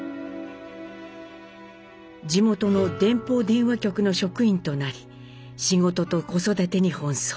地元の電報電話局の職員となり仕事と子育てに奔走。